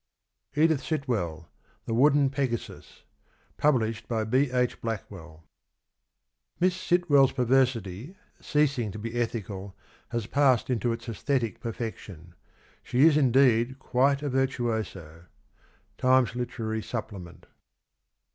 Edith Sitwell. THE WOODEN PEGASUS. Published by B. H. Blackwell. " Miss Sitwell's perversity, ceasing to be ethical, has passed into its aesthetic perfection. ... She is indeed quite a virtuoso." — Times Literary Supplement.